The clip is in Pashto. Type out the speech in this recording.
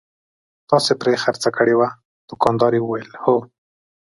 تاسې پرې خرڅه کړې وه؟ دوکاندارې وویل: هو.